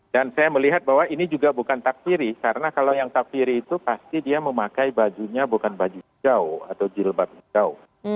dan saya melihat bahwa ini juga bukan takfiri karena kalau yang takfiri itu pasti dia memakai bajunya bukan baju hijau atau jilbab hijau